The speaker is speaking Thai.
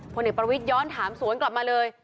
ผลเอกประวิทย้อนถามสวนกลับมาเลย